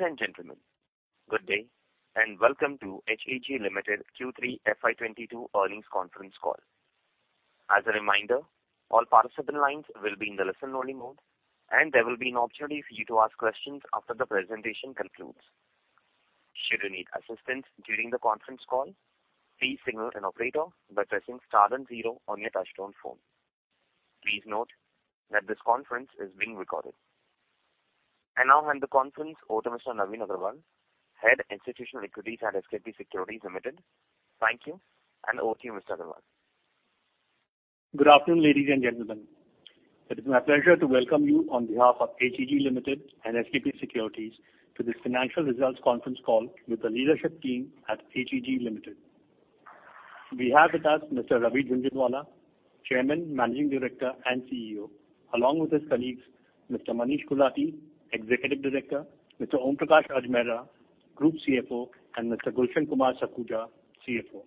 Ladies and gentlemen, good day, and welcome to HEG Limited Q3 FY 2022 earnings conference call. As a reminder, all participant lines will be in the listen-only mode, and there will be an opportunity for you to ask questions after the presentation concludes. Should you need assistance during the conference call, please signal an operator by pressing star and zero on your touchtone phone. Please note that this conference is being recorded. I now hand the conference over to Mr. Navin Agrawal, Head Institutional Equities at SKP Securities Limited. Thank you, and over to you, Mr. Agrawal. Good afternoon, ladies and gentlemen. It is my pleasure to welcome you on behalf of HEG Limited and SKP Securities to this financial results conference call with the leadership team at HEG Limited. We have with us Mr. Ravi Jhunjhunwala, Chairman, Managing Director, and CEO, along with his colleagues, Mr. Manish Gulati, Executive Director, Mr. Om Prakash Ajmera, Group CFO, and Mr. Gulshan Kumar Sakhuja, CFO.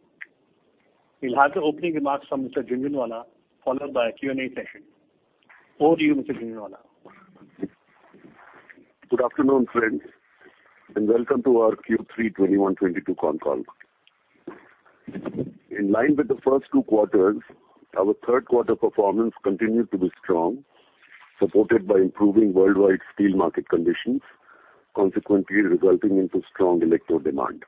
We'll have the opening remarks from Mr. Jhunjhunwala, followed by a Q&A session. Over to you, Mr. Jhunjhunwala. Good afternoon, friends, and welcome to our Q3 2021-2022 con call. In line with the first two quarters, our third quarter performance continued to be strong, supported by improving worldwide steel market conditions, consequently resulting into strong electrode demand.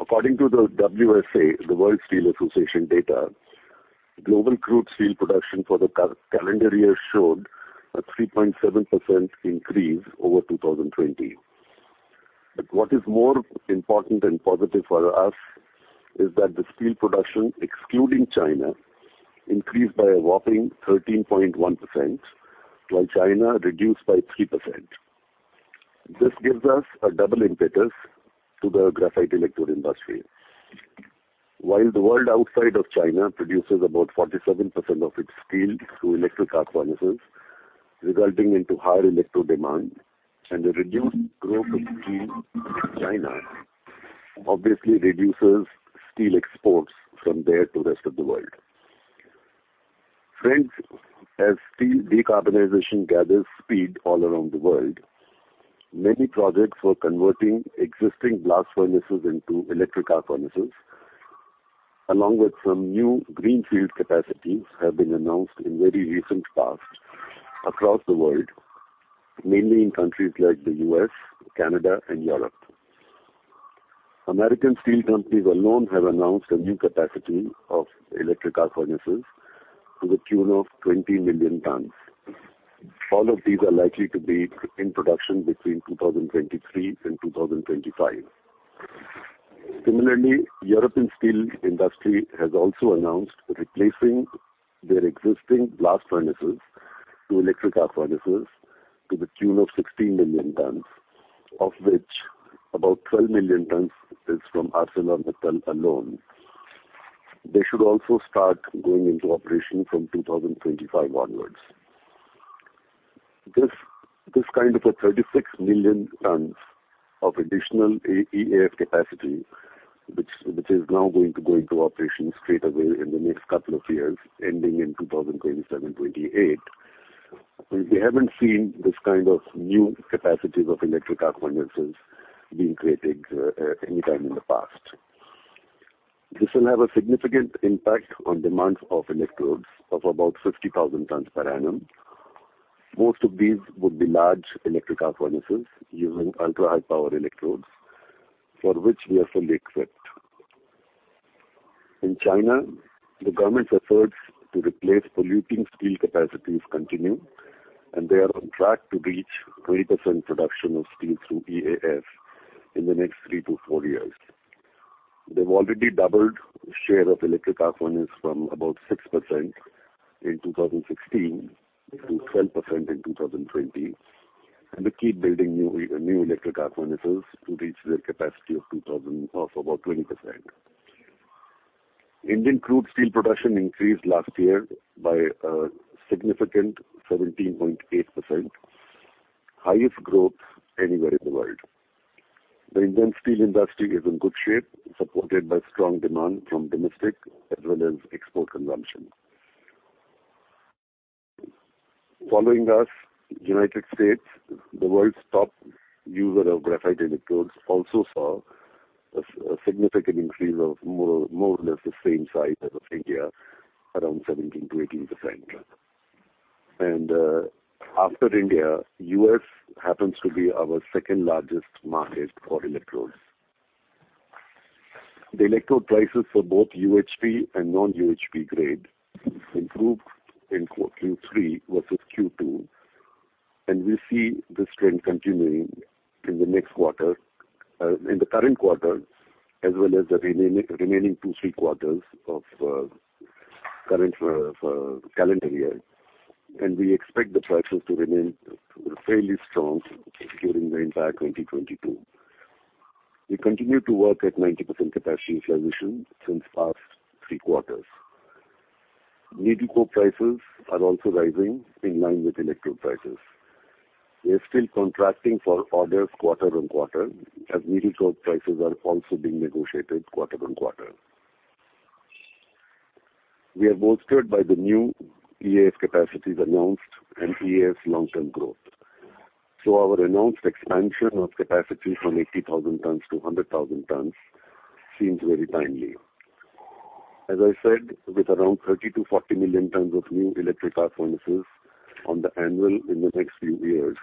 According to the WSA, the World Steel Association data, global crude steel production for the calendar year showed a 3.7% increase over 2020. What is more important and positive for us is that the steel production, excluding China, increased by a whopping 13.1%, while China reduced by 3%. This gives us a double impetus to the graphite electrode industry. While the world outside of China produces about 47% of its steel through electric arc furnaces, resulting into higher electrode demand and a reduced growth of steel in China, obviously reduces steel exports from there to the rest of the world. Friends, as steel decarbonization gathers speed all around the world, many projects for converting existing blast furnaces into electric arc furnaces, along with some new greenfield capacities, have been announced in very recent past across the world, mainly in countries like the U.S., Canada, and Europe. American steel companies alone have announced a new capacity of electric arc furnaces to the tune of 20 million tonnes. All of these are likely to be in production between 2023 and 2025. Similarly, European steel industry has also announced replacing their existing blast furnaces to electric arc furnaces to the tune of 16 million tonnes, of which about 12 million tonnes is from ArcelorMittal alone. They should also start going into operation from 2025 onwards. This kind of a 36 million tonnes of additional EAF capacity, which is now going to go into operation straight away in the next couple of years, ending in 2027, 2028. We haven't seen this kind of new capacities of electric arc furnaces being created anytime in the past. This will have a significant impact on demand of electrodes of about 50,000 tonnes per annum. Most of these would be large electric arc furnaces using ultra-high power electrodes for which we are fully equipped. In China, the government's efforts to replace polluting steel capacities continue, and they are on track to reach 20% production of steel through EAF in the next three to four years. They've already doubled the share of electric arc furnace from about 6% in 2016 to 12% in 2020, and they keep building new electric arc furnaces to reach their capacity of about 20%. Indian crude steel production increased last year by a significant 17.8%, highest growth anywhere in the world. The Indian steel industry is in good shape, supported by strong demand from domestic as well as export consumption. Following that, United States, the world's top user of graphite electrodes, also saw a significant increase of more or less the same size as in India, around 17%-18%. After India, U.S. happens to be our second largest market for electrodes. The electrode prices for both UHP and non-UHP grade improved in Q3 versus Q2, and we see this trend continuing in the next quarter, in the current quarter as well as the remaining two, three quarters of current calendar year. We expect the prices to remain fairly strong during the entire 2022. We continue to work at 90% capacity utilization since past three quarters. Needle coke prices are also rising in line with electrode prices. We are still contracting for orders quarter on quarter as needle coke prices are also being negotiated quarter on quarter. We are bolstered by the new EAF capacities announced and EAF's long-term growth. Our announced expansion of capacity from 80,000 tonnes to 100,000 tonnes seems very timely. As I said, with around 30 million-40 million tonnes of new electric arc furnaces on an annual in the next few years,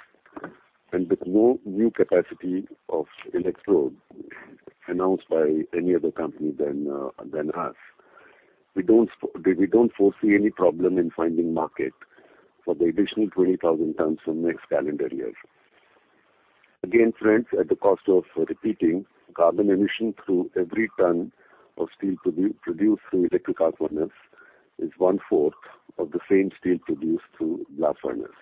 and with no new capacity of electrode announced by any other company than us, we don't foresee any problem in finding market for the additional 20,000 tonnes from next calendar year. Again, friends, at the cost of repeating, carbon emission through every tonne of steel produced through electric arc furnace is 1/4 of the same steel produced through blast furnace.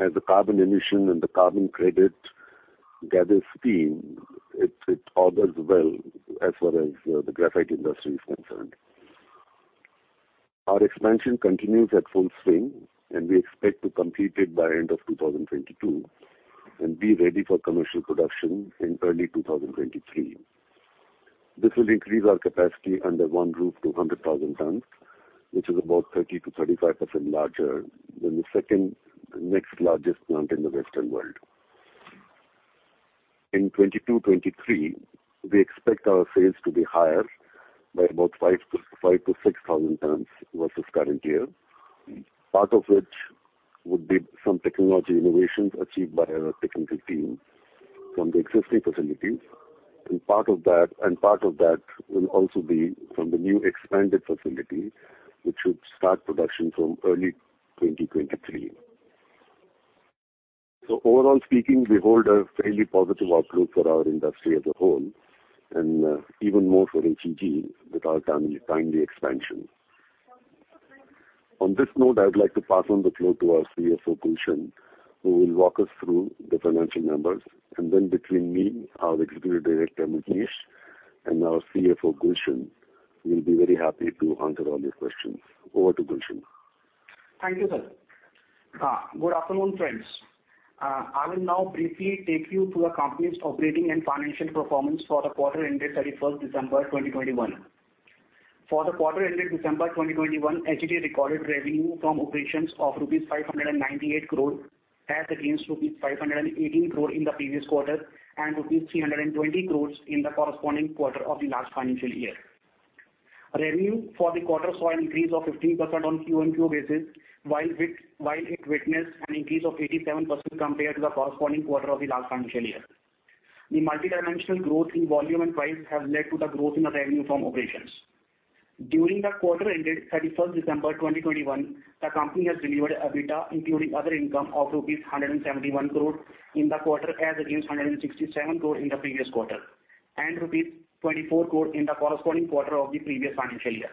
As the carbon emission and the carbon credit gathers steam, it augurs well as far as the graphite industry is concerned. Our expansion continues at full swing, and we expect to complete it by end of 2022 and be ready for commercial production in early 2023. This will increase our capacity under one roof to 100,000 tonnes, which is about 30%-35% larger than the second next largest plant in the Western world. In 2022-2023, we expect our sales to be higher by about 5,000-6,000 tonnes versus current year, part of which would be some technology innovations achieved by our technical team from the existing facilities, and part of that will also be from the new expanded facility, which should start production from early 2023. Overall speaking, we hold a fairly positive outlook for our industry as a whole and even more for HEG with our timely expansion. On this note, I would like to pass on the floor to our CFO, Gulshan, who will walk us through the financial numbers. Between me, our Executive Director, Manish, and our CFO, Gulshan, we'll be very happy to answer all your questions. Over to Gulshan. Thank you, sir. Good afternoon, friends. I will now briefly take you through our company's operating and financial performance for the quarter ended 31 December 2021. For the quarter ended December 2021, HEG recorded revenue from operations of 598 crore rupees as against 518 crore rupees in the previous quarter and 320 crore rupees in the corresponding quarter of the last financial year. Revenue for the quarter saw an increase of 15% on QoQ basis, while it witnessed an increase of 87% compared to the corresponding quarter of the last financial year. The multidimensional growth in volume and price have led to the growth in the revenue from operations. During the quarter ended 31 December 2021, the company has delivered EBITDA including other income of rupees 171 crore in the quarter, as against 167 crore in the previous quarter, and rupees 24 crore in the corresponding quarter of the previous financial year.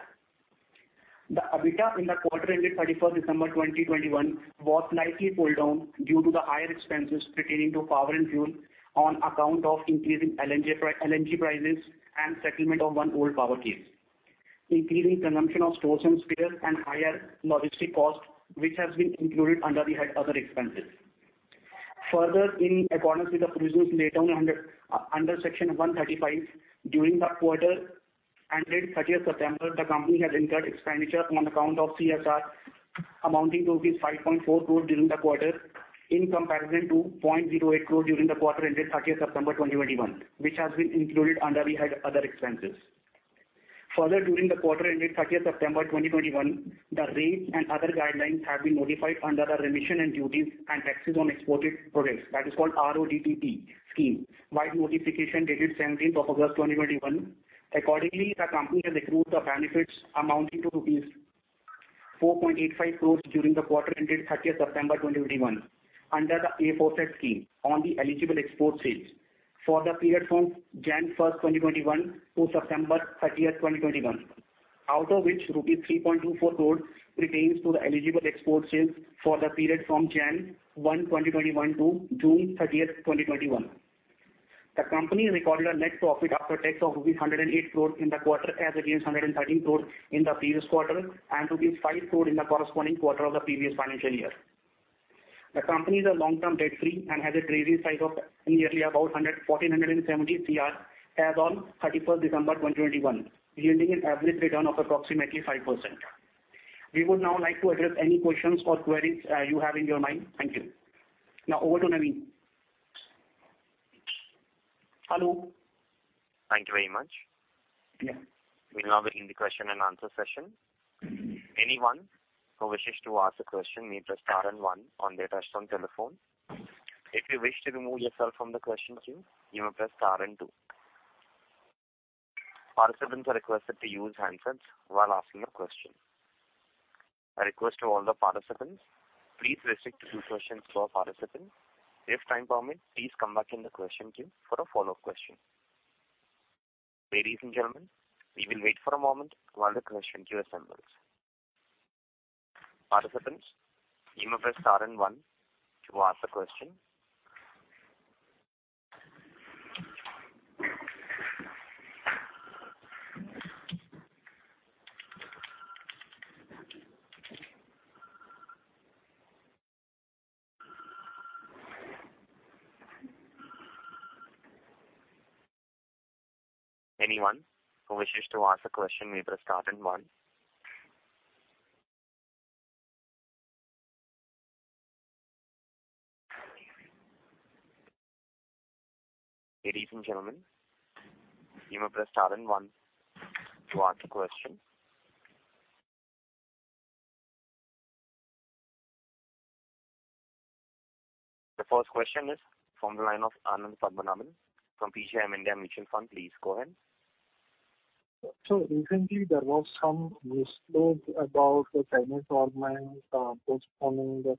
The EBITDA in the quarter ended 31 December 2021 was slightly pulled down due to the higher expenses pertaining to power and fuel on account of increasing LNG prices and settlement of one old power case, increasing consumption of stores and spares, and higher logistic costs, which has been included under the head other expenses. Further, in accordance with the provisions laid down under Section 135, during the quarter ended 30th September, the company has incurred expenditure on account of CSR amounting to rupees 5.4 crore during the quarter in comparison to 0.08 crore during the quarter ended 30th September 2021, which has been included under the head other expenses. Further, during the quarter ended 30th September 2021, the rates and other guidelines have been notified under the Remission of Duties and Taxes on Exported Products, that is called RoDTEP scheme, by notification dated 17th August 2021. Accordingly, the company has accrued the benefits amounting to rupees 4.85 crore during the quarter ended 30th September 2021 under the aforesaid scheme on the eligible export sales for the period from January 1st, 2021 to September 30th, 2021, out of which rupees 3.24 crore pertains to the eligible export sales for the period from January 1, 2021 to June 30th, 2021. The company recorded a net profit after tax of 108 crore in the quarter, as against 113 crore in the previous quarter and 5 crore in the corresponding quarter of the previous financial year. The company is long-term debt-free and has a treasury size of nearly about 1,470 crore as on 31st December 2021, yielding an average return of approximately 5%. We would now like to address any questions or queries you have in your mind. Thank you. Now over to Navin. Hello. Thank you very much. We're now in the question and answer session. Anyone who wishes to ask a question may press star and one on their touchtone telephone. If you wish to remove yourself from the question queue, you may press star and two. Participants are requested to use handsets while asking a question. A request to all the participants, please restrict to two questions per participant. If time permits, please come back in the question queue for a follow-up question. Ladies and gentlemen, we will wait for a moment while the question queue assembles. Participants, you may press star and one to ask a question. The first question is from the line of Anandha Padmanabhan from PGIM India Mutual Fund. Please go ahead. Recently there was some news flow about the Chinese government postponing the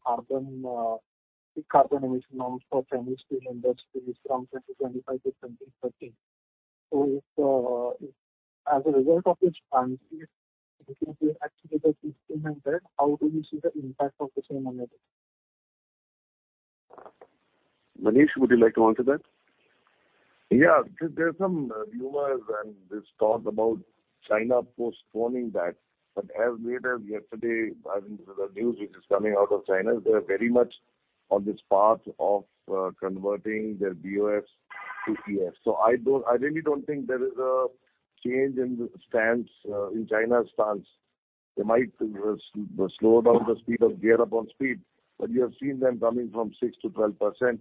decarbonization of Chinese steel industry from 2025 to 2030. If as a result of this, if any, how do you see the impact of the same on it? Manish, would you like to answer that? There's some rumors and this talk about China postponing that. As late as yesterday, as in the news which is coming out of China, they are very much on this path of converting their BoF to EAF. I really don't think there is a change in the stance in China's stance. They might slow down the speed or gear up on speed, but you have seen them coming from 6%-12%.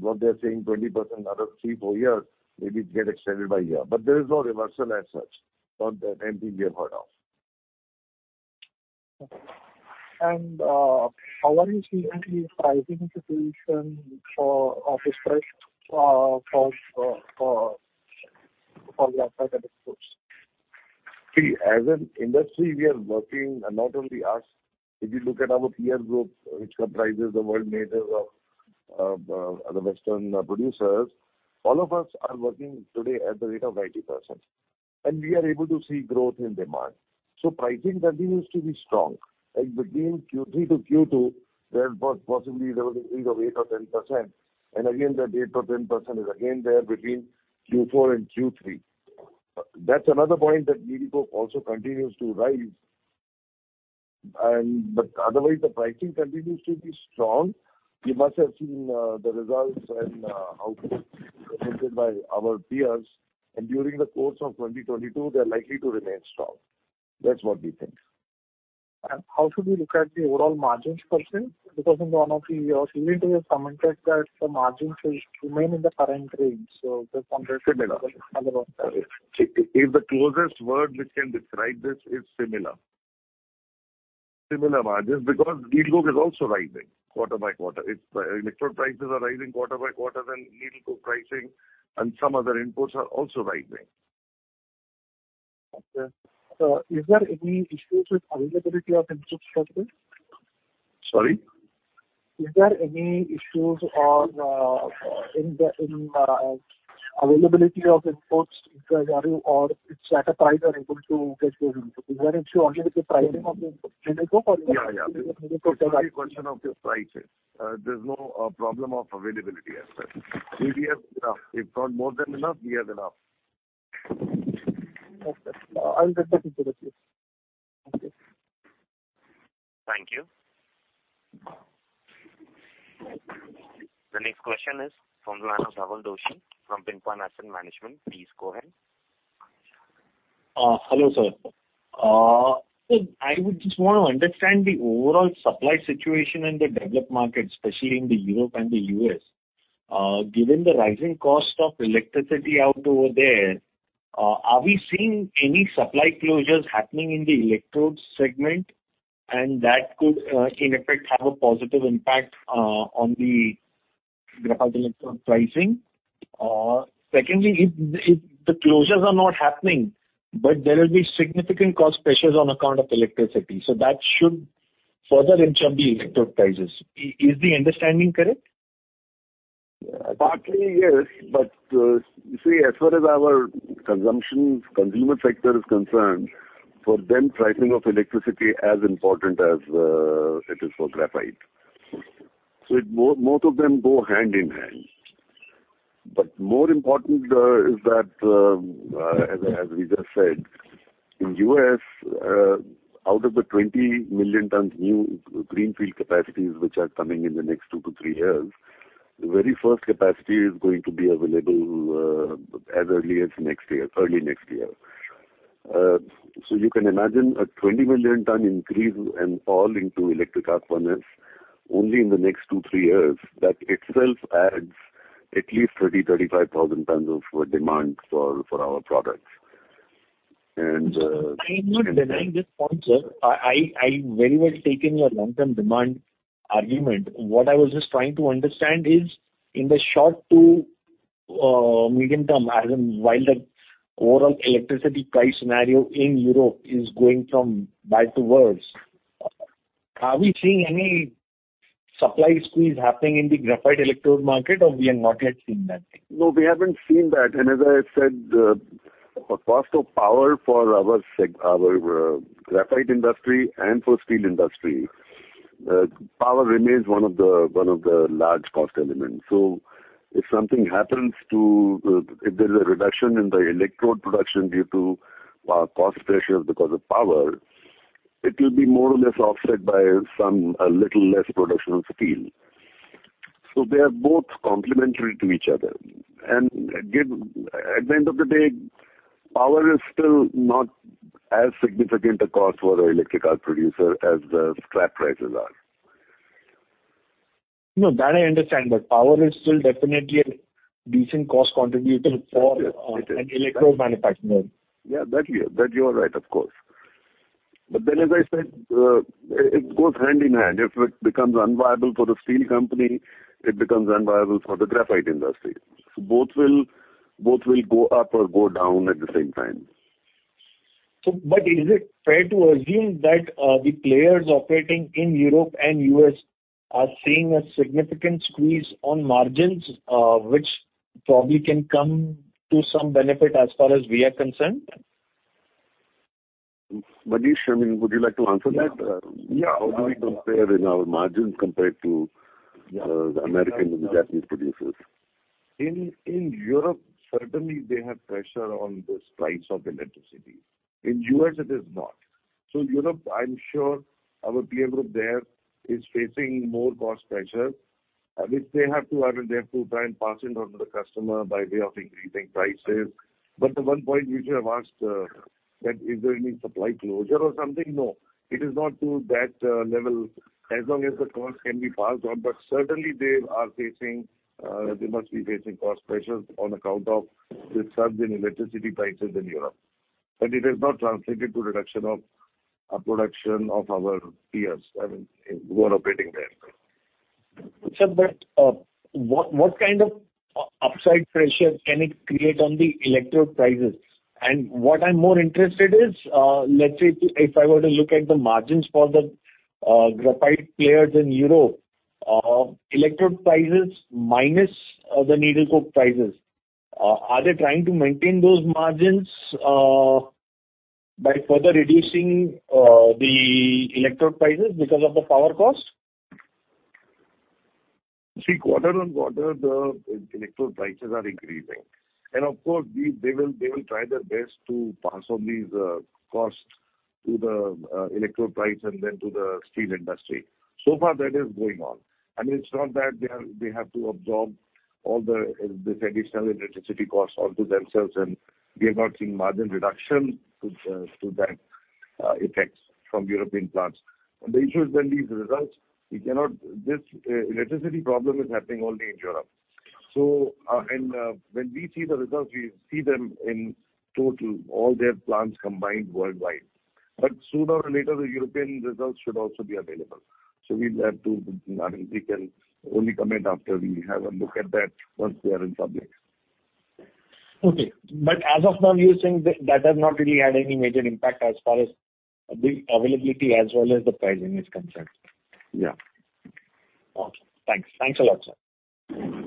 What they're saying, 20% another three to four years, maybe it get extended by a year. There is no reversal as such from anything we have heard of. How are you seeing the pricing situation for outright ports? See, as an industry, we are working, and not only us, if you look at our peer group, which comprises the world majors of the Western producers, all of us are working today at the rate of 90%, and we are able to see growth in demand. Pricing continues to be strong. Like between Q3 to Q2, there was possibly an increase of 8% or 10%. Again, that 8% or 10% is again there between Q4 and Q3. That's another point, that needle coke also continues to rise. But otherwise the pricing continues to be strong. You must have seen the results and outlook presented by our peers, and during the course of 2022, they're likely to remain strong. That's what we think. How should we look at the overall margins percent? Because in one of your events you have commented that the margins will remain in the current range. Just wanted. The closest word which can describe this is similar. Similar margins because needle coke is also rising quarter by quarter. If the electrode prices are rising quarter by quarter, then needle coke pricing and some other inputs are also rising. Okay. Is there any issues with availability of inputs for this? Sorry. Is there any issues or in the availability of inputs, whether you or its suppliers are able to get those inputs? Is there an issue only with the pricing of the input needle coke or- Yeah. It's only a question of just prices. There's no problem of availability as such. We have enough. If not more than enough, we have enough. Okay. I'll get back into the queue. Thank you. The next question is from the line of Dhaval Doshi from Pinpoint Asset Management. Please go ahead. Hello, sir. I would just want to understand the overall supply situation in the developed markets, especially in Europe and the U.S. Given the rising cost of electricity out over there, are we seeing any supply closures happening in the electrode segment and that could, in effect, have a positive impact on the graphite electrode pricing? Secondly, if the closures are not happening, but there will be significant cost pressures on account of electricity, so that should further inch up the electrode prices. Is the understanding correct? Partly, yes. You see, as far as our consumer sector is concerned, for them, pricing of electricity is as important as it is for graphite. Okay. Both of them go hand in hand. More important is that, as we just said, in the U.S., out of the 20 million tonnes new greenfield capacities which are coming in the next two to three years, the very first capacity is going to be available as early as next year, early next year. You can imagine a 20 million tonne increase and all into electric arc furnace only in the next two to three years. That itself adds at least 30,000 tonnes-35,000 tonnes of demand for our products. I am not denying this point, sir. I very well take in your long term demand argument. What I was just trying to understand is in the short to medium term, as in while the overall electricity price scenario in Europe is going from bad to worse, are we seeing any supply squeeze happening in the graphite electrode market or we have not yet seen that? No, we haven't seen that. As I said, cost of power for our graphite industry and for steel industry, power remains one of the large cost elements. If there's a reduction in the electrode production due to cost pressures because of power, it will be more or less offset by a little less production of steel. They are both complementary to each other. At the end of the day, power is still not as significant a cost for our electric arc producer as the scrap prices are. No, that I understand. Power is still definitely a decent cost contributor for. Yes, it is. An electrode manufacturer. Yeah, you are right, of course. As I said, it goes hand in hand. If it becomes unviable for the steel company, it becomes unviable for the graphite industry. Both will go up or go down at the same time. Is it fair to assume that the players operating in Europe and U.S. are seeing a significant squeeze on margins, which probably can come to some benefit as far as we are concerned? Manish, I mean, would you like to answer that? Yeah. How do we compare in our margins compared to the American and the Japanese producers? In Europe, certainly they have pressure on this price of electricity. In U.S. it is not. Europe, I'm sure our peer group there is facing more cost pressure, which they have to try and pass it on to the customer by way of increasing prices. The one point you should have asked, that is there any supply closure or something? No. It is not to that level as long as the cost can be passed on. Certainly they are facing, they must be facing cost pressures on account of the surge in electricity prices in Europe. It has not translated to reduction of production of our peers, I mean, who are operating there. Sir, what kind of upside pressure can it create on the electrode prices? What I'm more interested is, let's say if I were to look at the margins for the graphite players in Europe, electrode prices minus the Needle coke prices, are they trying to maintain those margins by further reducing the electrode prices because of the power cost? See, quarter-on-quarter the electrode prices are increasing. Of course, they will try their best to pass on these costs to the electrode price and then to the steel industry. So far that is going on. I mean, it's not that they have to absorb all this additional electricity costs onto themselves, and we have not seen margin reduction to that effect from European plants. The issue is when these results, we cannot. This electricity problem is happening only in Europe. When we see the results, we see them in total, all their plants combined worldwide. Sooner or later, the European results should also be available. We'll have to, I mean, we can only comment after we have a look at that once they are in public. Okay. As of now you're saying that has not really had any major impact as far as the availability as well as the pricing is concerned? Yeah. Okay. Thanks. Thanks a lot, sir.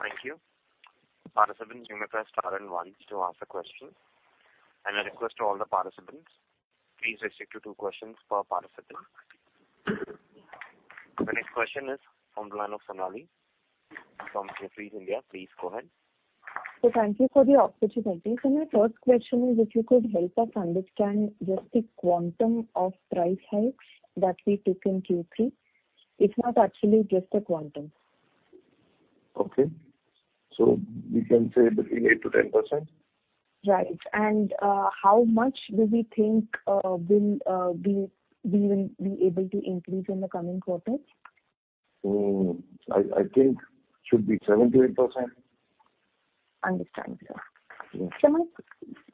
Thank you. Participants, you may press star and one to ask a question. A request to all the participants, please restrict to two questions per participant. The next question is from the line of Sonali from Jefferies India. Please go ahead. Thank you for the opportunity, sir. My first question is if you could help us understand just the quantum of price hikes that we took in Q3. If not actually just the quantum. Okay. We can say between 8%-10%. Right. How much do we think we will be able to increase in the coming quarters? I think should be 7%-8%. Understand,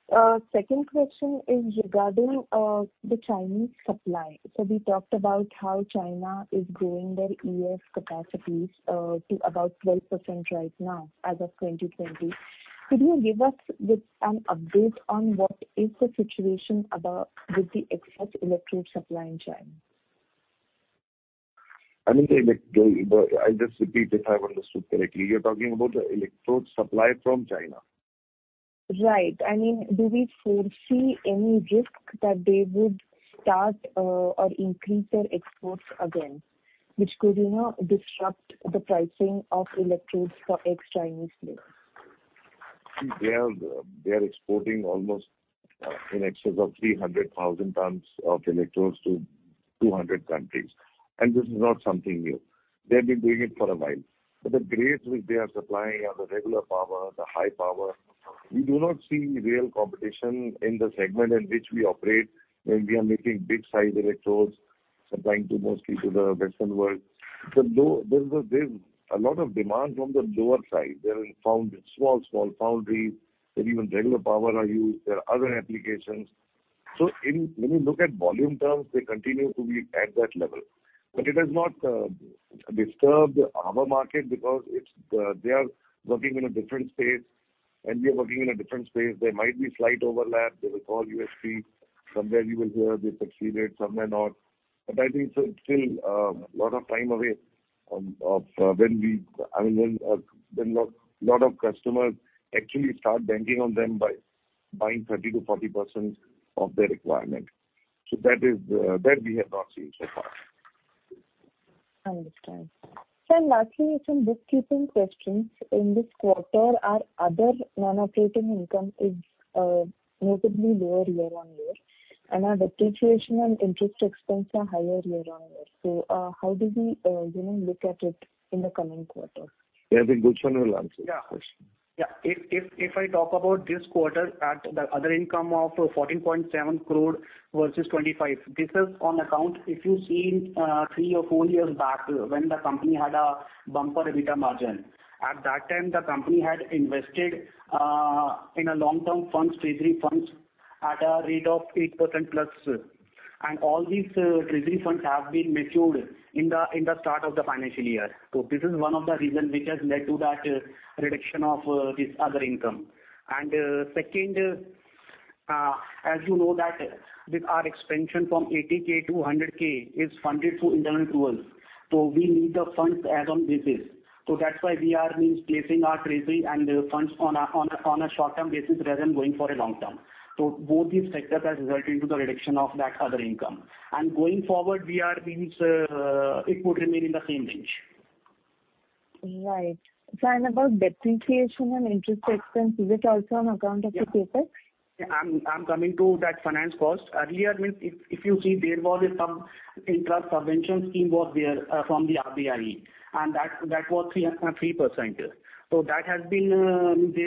sir. Yes. Sir, my second question is regarding the Chinese supply. We talked about how China is growing their EAF capacities to about 12% right now as of 2020. Could you give us with an update on what is the situation about with the excess electrode supply in China? I mean, I'll just repeat if I've understood correctly. You're talking about the electrode supply from China? Right. I mean, do we foresee any risk that they would start or increase their exports again, which could, you know, disrupt the pricing of electrodes for ex-Chinese players? They are exporting almost in excess of 300,000 tonnes of electrodes to 200 countries, and this is not something new. They have been doing it for a while. The grades which they are supplying are the regular power, the high power. We do not see real competition in the segment in which we operate, where we are making big size electrodes, supplying mostly to the Western world. There is a lot of demand from the lower side. There are foundry, small foundries, where even regular power are used. There are other applications. When you look at volume terms, they continue to be at that level. It has not disturbed our market because they are working in a different space and we are working in a different space. There might be slight overlap. They will call USP. Somewhere you will hear they succeeded, somewhere not. I think so it's still a lot of time away from when we, I mean, when a lot of customers actually start banking on them by buying 30%-40% of their requirement. That is, that we have not seen so far. Understand. Lastly, some bookkeeping questions. In this quarter, our other non-operating income is notably lower year on year, and our depreciation and interest expense are higher year on year. How do we, you know, look at it in the coming quarter? Yeah, I think Gulshan will answer this question. Yeah. If I talk about this quarter at the other income of 14.7 crore versus 25 crore, this is on account. If you see, three or four years back when the company had a bumper EBITDA margin, at that time the company had invested in long-term funds, treasury funds at a rate of 8%+. All these Treasury funds have been matured in the start of the financial year. This is one of the reasons which has led to that reduction of this other income. Second, as you know that with our expansion from 80K to 100K is funded through internal accruals. We need the funds as-and-when basis. That's why we are placing our treasury and the funds on a short-term basis rather than going for a long-term. Both these factors has resulted into the reduction of that other income. Going forward, we mean it would remain in the same range. Right. About depreciation and interest expense, is it also on account of the CapEx? Yeah. I'm coming to that finance cost. Earlier, if you see there was some interest subvention scheme from the RBI, and that was 3%. There's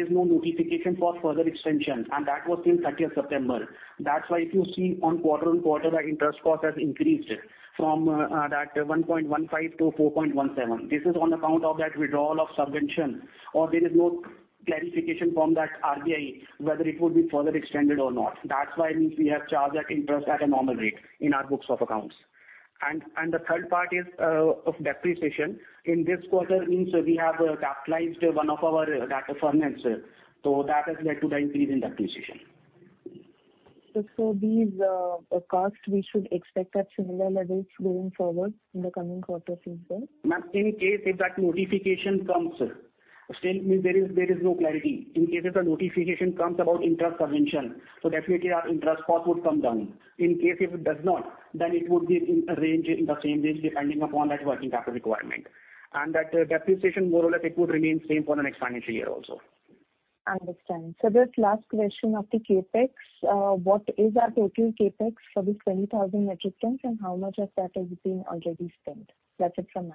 no notification for further extension, and that was till 30th September. That's why if you see on quarter-on-quarter, the interest cost has increased from 1.15 crore to 4.17 crore. This is on account of that withdrawal of subvention, or there is no clarification from that RBI, whether it would be further extended or not. That's why we have charged that interest at a normal rate in our books of accounts. The third part is of depreciation. In this quarter we have capitalized one of our deferred finance. So that has led to the increase in depreciation. These costs we should expect at similar levels going forward in the coming quarters as well? Ma'am, in case if that notification comes, still means there is no clarity. In case if the notification comes about interest subvention, definitely our interest cost would come down. In case if it does not, it would be in a range, in the same range, depending upon that working capital requirement. That depreciation more or less it would remain same for the next financial year also. Understood. The last question of the CapEx, what is our total CapEx for the 20,000 metric tonnes, and how much of that has been already spent? That's it from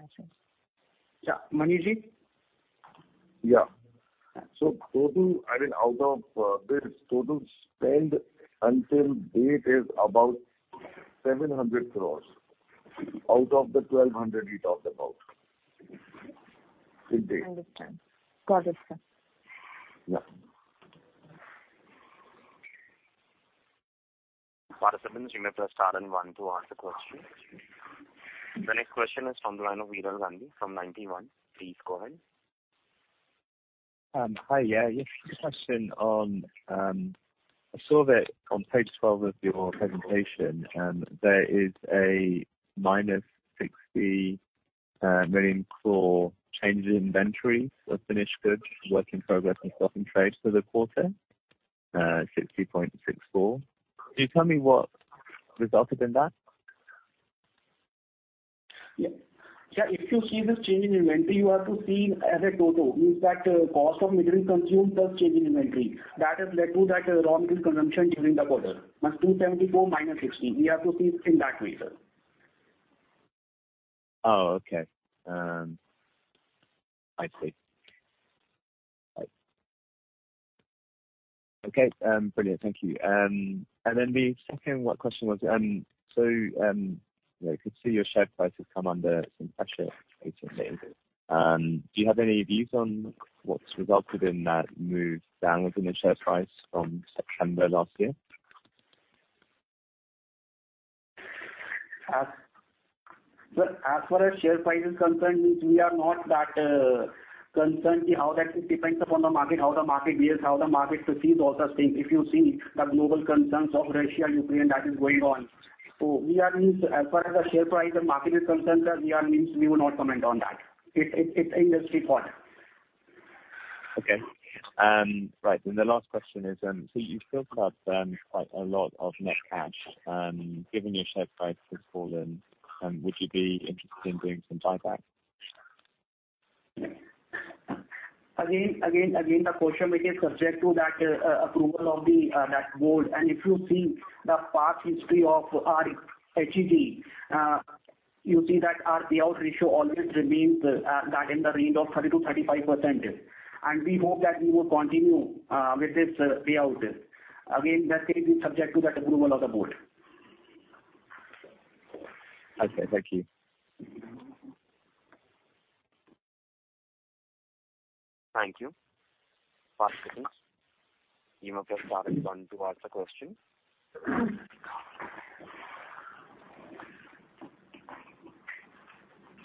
my side. Yeah. Manish? Yeah. Total, I mean, out of this, total spend till date is about 700 crore out of the 1,200 crore we talked about. Till date. Understand. Got it, sir. Yeah. Participants, you may press star and one to ask the question. The next question is from the line of Veeral Gandhi from Ninety One. Please go ahead. Hi. Yeah. Just a question on, I saw that on page 12 of your presentation, there is a -60.64 million crore change in inventory of finished goods, work in progress and stock in trade for the quarter. 60.64 million crore. Can you tell me what resulted in that? Yeah. If you see this change in inventory, you have to see as a total. Means that cost of material consumed plus change in inventory. That has led to that raw material consumption during the quarter. Plus 274 crore minus 60 crore. We have to see in that way, sir. Oh, okay. I see. Okay. Brilliant. Thank you. The second question was, so, you know, I could see your share price has come under some pressure recently. Do you have any views on what's resulted in that move downwards in the share price from September last year? Sir, as far as share price is concerned, we are not that concerned. How that depends upon the market, how the market behaves, how the market perceives all those things. If you see the global concerns of Russia-Ukraine that is going on. We are, I mean, as far as the share price and market is concerned, sir, we will not comment on that. It's industry product. Okay. Right. The last question is, so you've built up quite a lot of net cash. Given your share price has fallen, would you be interested in doing some buyback? The question which is subject to that approval of the Board. If you see the past history of our HEG, you see that our payout ratio always remains in the range of 30%-35%. We hope that we will continue with this payout. That is subject to the approval of the Board. Okay. Thank you. Thank you. Participants, you may press star and one to ask the question.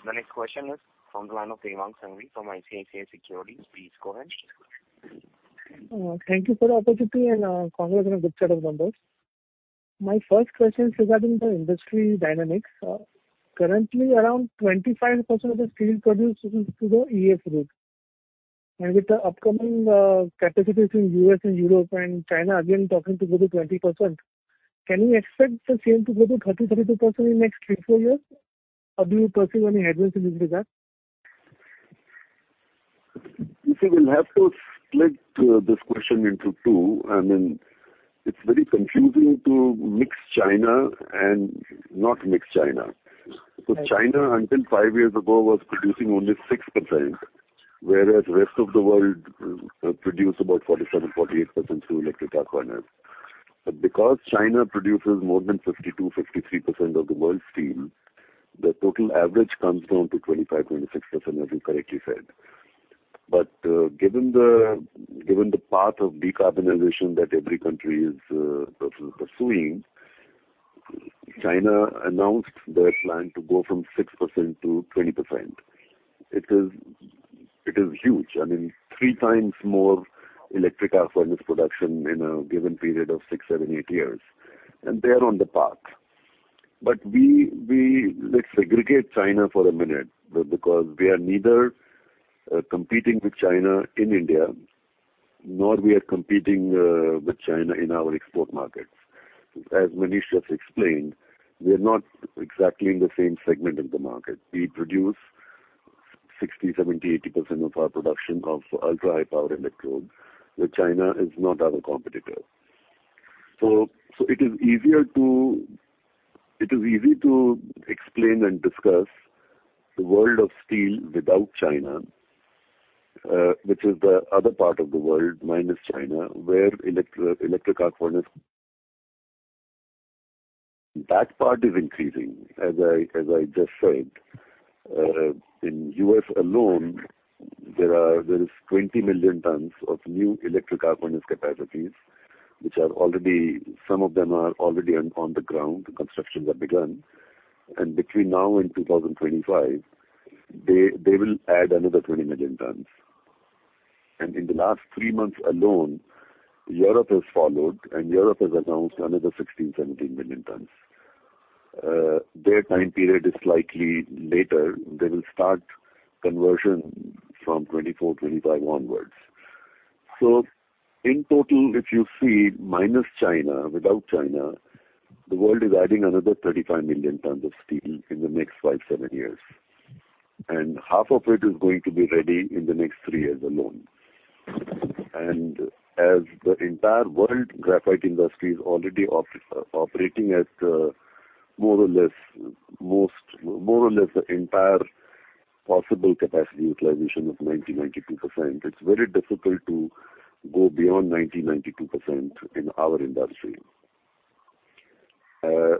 The next question is from the line of Dewang Sanghavi from ICICI Securities. Please go ahead. Thank you for the opportunity and, congrats on a good set of numbers. My first question is regarding the industry dynamics. Currently around 25% of the steel produced through the EAF route. With the upcoming capacities in U.S. and Europe and China again talking to go to 20%, can we expect the same to go to 30, 32% in next three, four years? Or do you perceive any headwinds in this regard? You see, we'll have to split this question into two. I mean, it's very confusing to mix China and not mix China. Right. China, until five years ago, was producing only 6%, whereas the rest of the world produced about 47-48% through electric arc furnace. Because China produces more than 52-53% of the world's steel, the total average comes down to 25-26%, as you correctly said. Given the path of decarbonization that every country is pursuing, China announced their plan to go from 6% to 20%. It is huge. I mean, three times more electric arc furnace production in a given period of six to eight years, and they are on the path. Let's segregate China for a minute because we are neither competing with China in India, nor we are competing with China in our export markets. As Manish has explained, we are not exactly in the same segment of the market. We produce 60%, 70%, 80% of our production of ultra-high power electrodes where China is not our competitor. It is easy to explain and discuss the world of steel without China, which is the other part of the world minus China, where electric arc furnace. That part is increasing. As I just said, in U.S. alone, there is 20 million tonnes of new electric arc furnace capacities, which are already on the ground. Some of them are already on the ground. The constructions have begun. Between now and 2025, they will add another 20 million tonnes. In the last three months alone, Europe has followed, and Europe has announced another 16 million tonnes-17 million tonnes. Their time period is slightly later. They will start conversion from 2024, 2025 onwards. In total, if you see minus China, without China, the world is adding another 35 million tonnes of steel in the next five to seven years, and half of it is going to be ready in the next three years alone. As the entire world graphite industry is already operating at more or less the entire possible capacity utilization of 90%-92%, it's very difficult to go beyond 90%-92% in our industry. In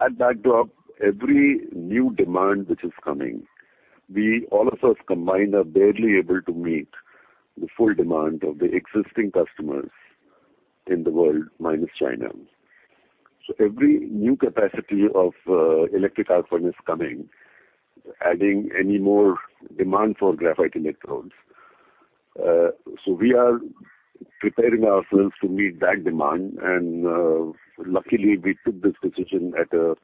that backdrop, every new demand which is coming, we, all of us combined, are barely able to meet the full demand of the existing customers in the world, minus China. Every new capacity of electric arc furnace coming adding any more demand for graphite electrodes. We are preparing ourselves to meet that demand. Luckily, we took this decision at a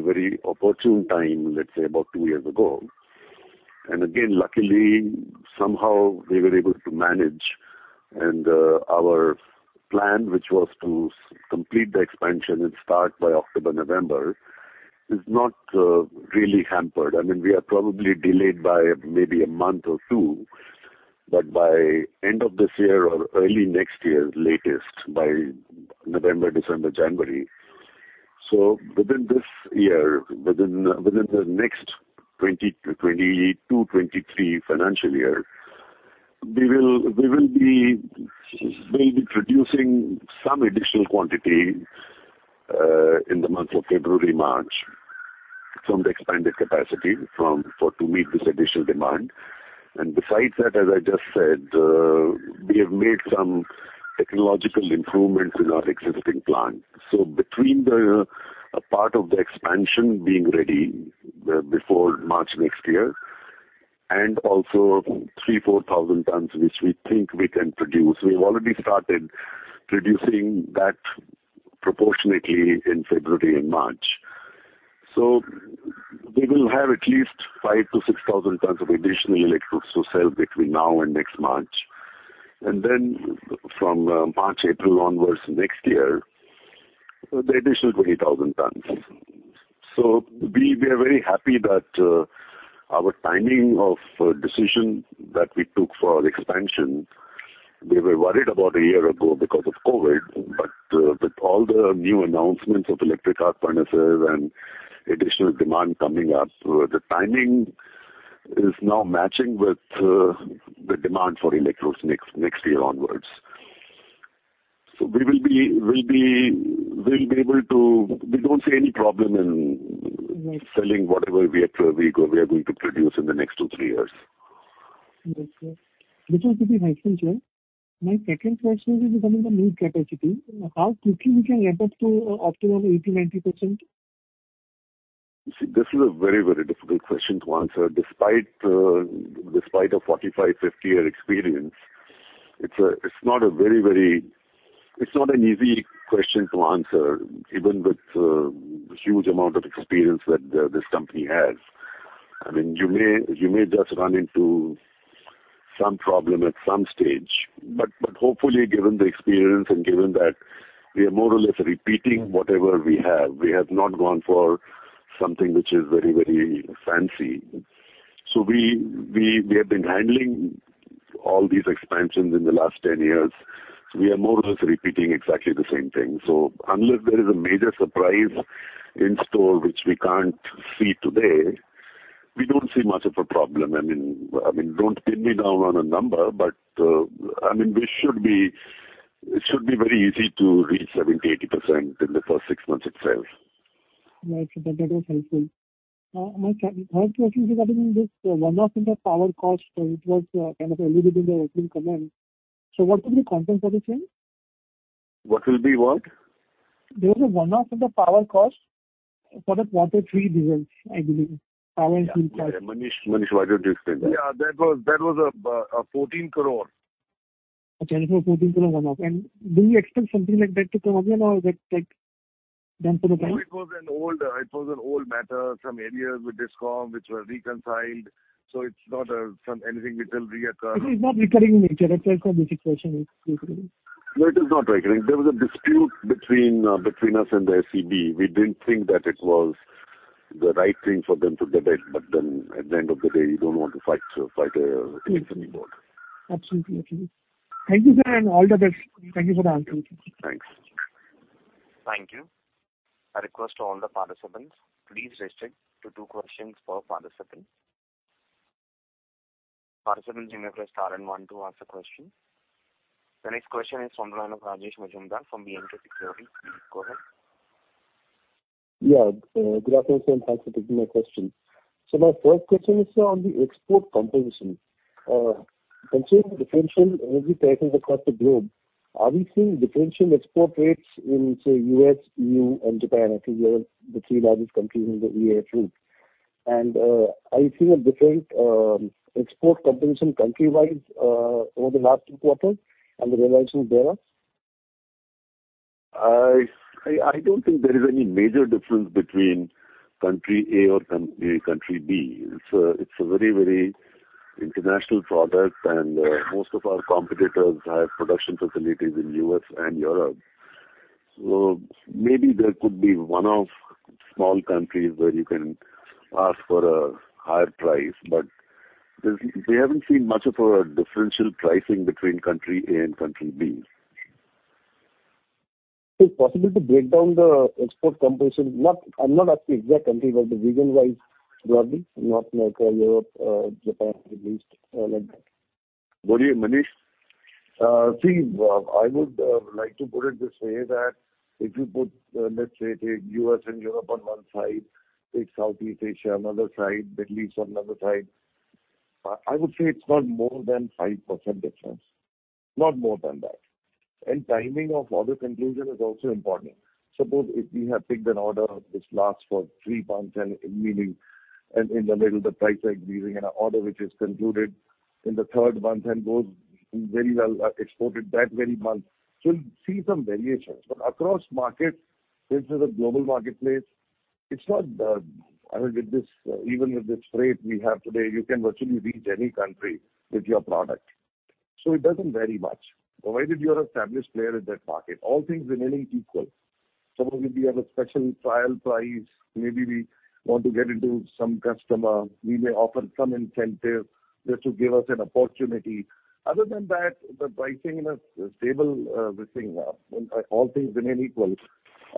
very opportune time, let's say about two years ago. Again, luckily, somehow we were able to manage. Our plan, which was to complete the expansion and start by October, November, is not really hampered. I mean, we are probably delayed by maybe a month or two, but by end of this year or early next year, latest by November, December, January. Within this year, within the next 2022-2023 financial year, we will be maybe producing some additional quantity in the month of February, March from the expanded capacity to meet this additional demand. Besides that, as I just said, we have made some technological improvements in our existing plant. Between the part of the expansion being ready before March next year and also 3,000-4,000 tonnes, which we think we can produce, we've already started producing that proportionately in February and March. We will have at least 5,000-6,000 tonnes of additional electrodes to sell between now and next March. Then from March-April onwards next year, the additional 20,000 tonnes. We are very happy that our timing of decision that we took for expansion, we were worried about a year ago because of COVID. With all the new announcements of electric arc furnaces and additional demand coming up, the timing is now matching with the demand for electrodes next year onwards. We will be able to. We don't see any problem in selling whatever we are, we are going to produce in the next two, three years. Understood. This was to be my concern. My second question is regarding the new capacity. How quickly we can ramp up to, optimum 80, 90%? You see, this is a very, very difficult question to answer despite a spite of 45- 50 years of experience it's not a very, very. It's not an easy question to answer, even with the huge amount of experience that this company has. I mean, you may just run into some problem at some stage. Hopefully, given the experience and given that we are more or less repeating whatever we have, we have not gone for something which is very, very fancy. We have been handling all these expansions in the last 10 years. We are more or less repeating exactly the same thing. Unless there is a major surprise in store which we can't see today, we don't see much of a problem. I mean, don't pin me down on a number, but it should be very easy to reach 70%-80% in the first six months itself. Right. That was helpful. My second question regarding this one-off in the power cost, so it was kind of alluded in the opening comments. What will be compensated then? What will be what? There was a one-off in the power cost for the quarter three results, I believe. Power and fuel cost. Yeah. Manish, why don't you explain that? Yeah, that was 14 crore. Okay. It was 14 crore one-off. Do you expect something like that to come again or is that like done for the time? No, it was an old matter, some arrears with DISCOM which were reconciled, so it's not something which will reoccur. It is not recurring in nature. Let's say for this equation, it's recurring. No, it is not recurring. There was a dispute between us and the SCB. We didn't think that it was the right thing for them to get it, but then at the end of the day, you don't want to fight with anybody. Yes. Absolutely, absolutely. Thank you, sir, and all the best. Thank you for the answers. Thanks. Thank you. I request all the participants, please restrict to two questions per participant. Participants in the press line one, two, ask a question. The next question is from the line of Rajesh Majumdar from B&K Securities. Please go ahead. Good afternoon, sir, and thanks for taking my question. My first question is on the export composition. Considering the differential energy prices across the globe, are we seeing differential export rates in, say, U.S., EU, and Japan? I think they are the three largest countries in the EAF group. Are you seeing a different export composition country-wise over the last two quarters and the realization thereof? I don't think there is any major difference between country A or country B. It's a very international product, and most of our competitors have production facilities in U.S. and Europe. Maybe there could be one-off small countries where you can ask for a higher price, but we haven't seen much of a differential pricing between country A and country B. Is it possible to break down the export composition? I'm not asking exact country, but the region-wise broadly, not like Europe, Japan, Middle East, like that. What do you, Manish? See, I would like to put it this way, that if you put, let's say take U.S. and Europe on one side, take Southeast Asia another side, Middle East on another side, I would say it's not more than 5% difference. Not more than that. Timing of order conclusion is also important. Suppose if we have picked an order which lasts for three months and in the middle the price are increasing and an order which is concluded in the third month and goes very well, exported that very month, so you'll see some variations. But across markets, since it's a global marketplace, it's not, I mean, with this, even with this freight we have today, you can virtually reach any country with your product. It doesn't vary much, provided you're an established player in that market. All things remaining equal. Suppose if we have a special trial price, maybe we want to get into some customer, we may offer some incentive just to give us an opportunity. Other than that, the pricing is stable, this thing. When all things remain equal,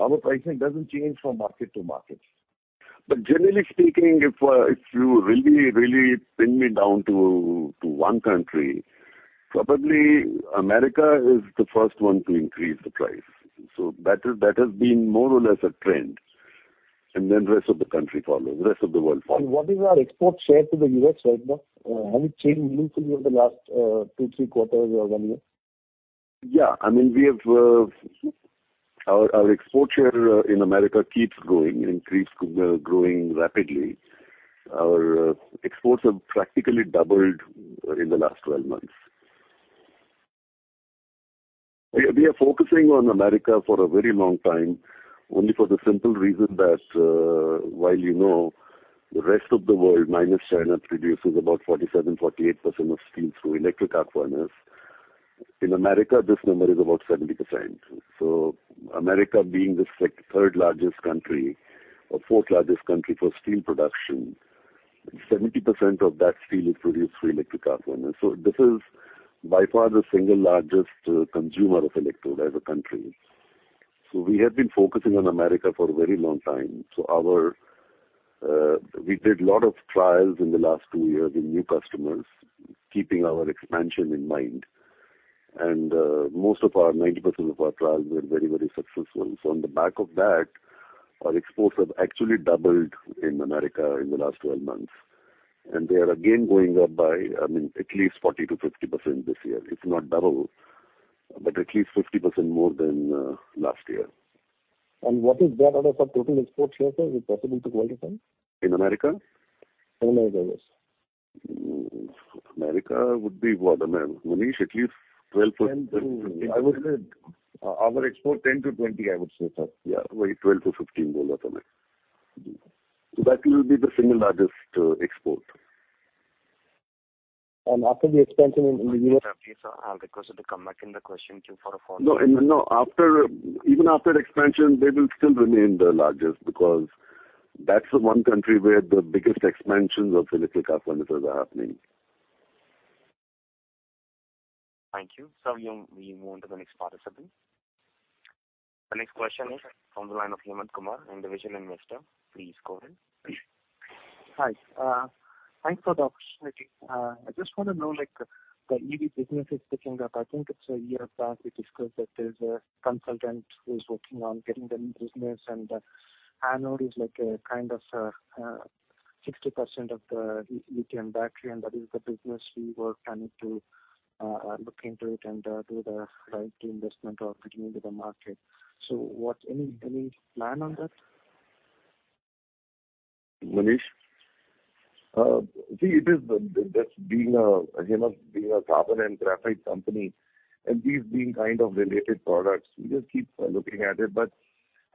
our pricing doesn't change from market to market. Generally speaking, if you really, really pin me down to one country, probably America is the first one to increase the price. That has been more or less a trend, and then rest of the country follow, rest of the world follow. What is our export share to the U.S. right now? Has it changed meaningfully over the last two, three quarters or one year? Yeah. I mean, we have our export share in America keeps growing rapidly. Our exports have practically doubled in the last 12 months. We are focusing on America for a very long time, only for the simple reason that while you know the rest of the world minus China produces about 47%-48% of steel through electric arc furnace. In America, this number is about 70%. America being the third largest country or fourth largest country for steel production, 70% of that steel is produced through electric arc furnace. This is by far the single largest consumer of electrode as a country. We have been focusing on America for a very long time. We did a lot of trials in the last two years with new customers, keeping our expansion in mind. 90% of our trials were very, very successful. On the back of that, our exports have actually doubled in America in the last 12 months. They are again going up by, I mean, at least 40%-50% this year. At least 50% more than last year. What is the order for total exports here, sir? Is it possible to quantify? In America? Similar areas. America would be what, Manish, at least 12% to. I would say our export 10%-20%, I would say, sir. Yeah. 12%-15%. That will be the single largest export. After the expansion in? Sorry to interrupt you, sir. I'll request you to come back in the question queue for a follow-up. No, no. Even after expansion, they will still remain the largest because that's the one country where the biggest expansions of electric arc furnaces are happening. Thank you. We move on to the next participant. The next question is from the line of Hemant Kumar, Individual Investor. Please go ahead. Hi. Thanks for the opportunity. I just wanna know, like, the EV business is picking up. I think it’s a year back we discussed that there’s a consultant who’s working on getting the new business and anode is like a kind of 60% of the lithium battery, and that is the business we were planning to look into it and do the right investment or get into the market. What’s any plan on that? Manish? See, it is, Hemant, being a carbon and graphite company, and these being kind of related products, we just keep looking at it.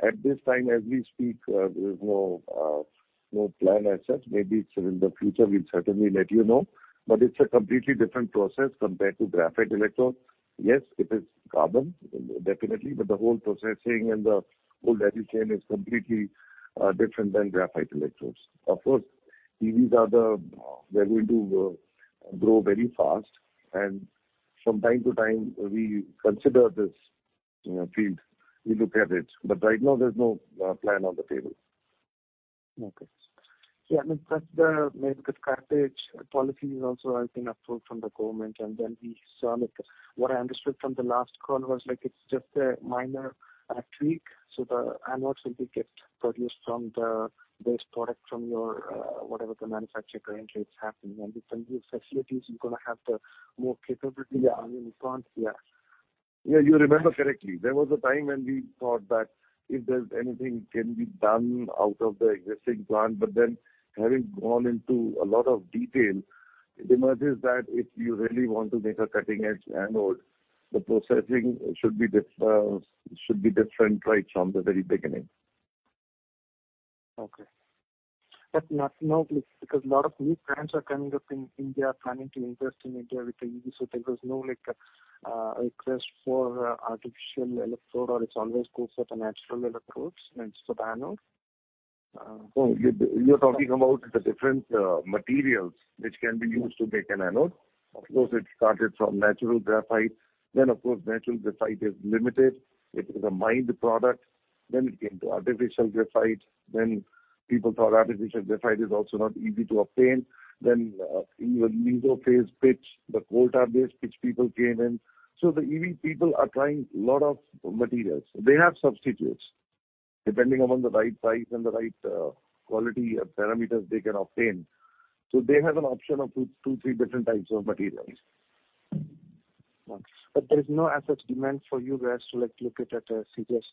At this time, as we speak, there's no plan as such. Maybe it's in the future, we'll certainly let you know. It's a completely different process compared to graphite electrodes. Yes, it is carbon, definitely, but the whole processing and the whole value chain is completely different than graphite electrodes. Of course, EVs are going to grow very fast. From time to time, we consider this, you know, field. We look at it. Right now there's no plan on the table. Okay. Yeah, I mean, that's the main graphite policy has been approved from the government. We saw like, what I understood from the last call was like it's just a minor tweak. The anodes will get produced from the base product from your, whatever the manufacturer currently it's happening. With Sanjeev facilities, you're gonna have the more capability on your front, yeah. Yeah, you remember correctly. There was a time when we thought that if there's anything that can be done out of the existing plant, but then having gone into a lot of detail, it emerges that if you really want to make a cutting-edge anode, the processing should be different right from the very beginning. Okay. Not now because a lot of new plants are coming up in India, planning to invest in India with the EV. There was no, like, request for artificial electrode or it's always goes with the natural electrodes means for the anode. Oh, you're talking about the different materials which can be used to make an anode. Of course, it started from natural graphite. Of course, natural graphite is limited. It is a mined product. It came to artificial graphite. People thought artificial graphite is also not easy to obtain. Even mesophase pitch, the coal tar-based pitch people came in. The EV people are trying lot of materials. They have substitutes depending upon the right size and the right quality parameters they can obtain. They have an option of two, three different types of materials. Okay. There is no as such demand for you guys to, like, look it at CDS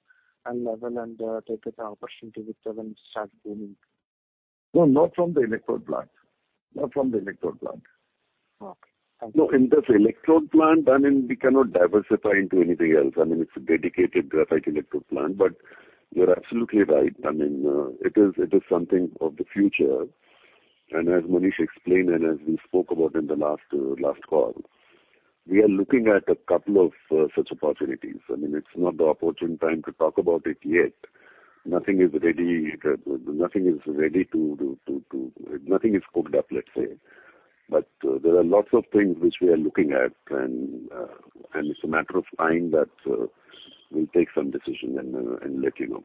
level and take it an opportunity with them and start doing. No, not from the electrode plant. Okay. Thank you. No, in this electrode plant, I mean, we cannot diversify into anything else. I mean, it's a dedicated graphite electrode plant. You're absolutely right. I mean, it is something of the future. As Manish explained and as we spoke about in the last call, we are looking at a couple of such opportunities. I mean, it's not the opportune time to talk about it yet. Nothing is ready. Nothing is cooked up, let's say. There are lots of things which we are looking at, and it's a matter of time that we'll take some decision and let you know.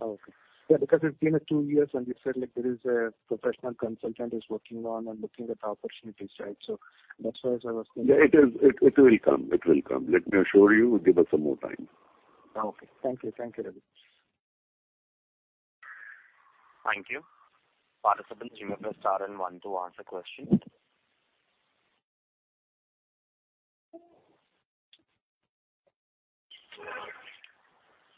Okay. Yeah, because it's been two years and you said, like, there is a professional consultant who's working on and looking at the opportunities, right? So that's why I was thinking- Yeah, it is, it will come. It will come. Let me assure you, give us some more time. Okay. Thank you. Thank you very much. Thank you. Participants, you may press star and one to ask a question.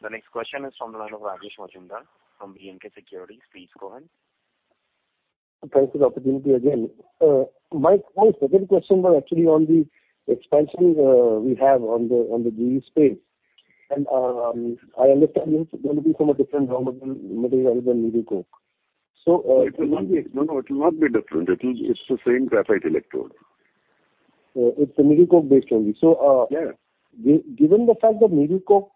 The next question is from the line of Rajesh Majumdar from B&K Securities. Please go ahead. Thanks for the opportunity again. My second question was actually on the expansions we have on the GE space. I understand it's gonna be from a different raw material than needle coke. No, no, it will not be different. It is, it's the same graphite electrode. It's a Needle coke-based only. Yeah. Given the fact that Needle coke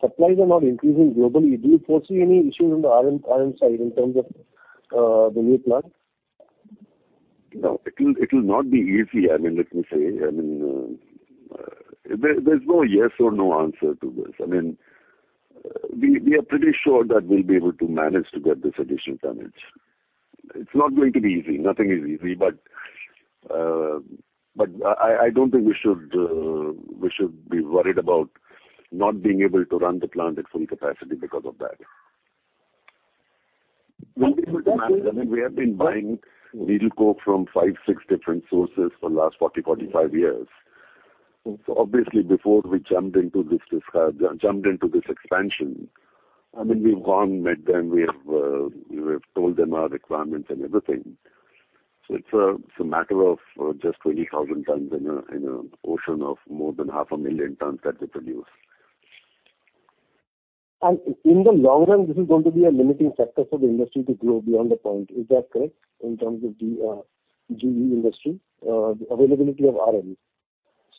supplies are not increasing globally, do you foresee any issues on the RM side in terms of the new plant? No, it will not be easy. I mean, let me say, I mean, there's no yes or no answer to this. I mean, we are pretty sure that we'll be able to manage to get this additional tonnage. It's not going to be easy. Nothing is easy. I don't think we should be worried about not being able to run the plant at full capacity because of that. I mean, we have been buying needle coke from five or six different sources for the last 45 years. So obviously before we jumped into this expansion, I mean, we've met them. We have told them our requirements and everything. It's a matter of just 20,000 tonnes in an ocean of more than 500,000 tonnes that they produce. In the long run, this is going to be a limiting factor for the industry to grow beyond a point. Is that correct in terms of the GE industry, the availability of